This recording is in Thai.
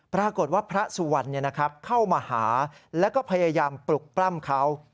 ปรากฏว่าพระสุวรรณเข้ามาหาแล้วก็พยายามปลุกปล้ำเขา